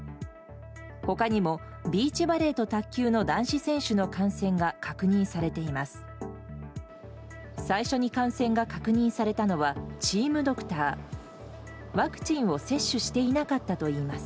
他にもビーチバレーと卓球の男子選手の感染が確認されています。